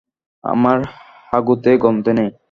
আমার হাগুতে গন্ধ নেই।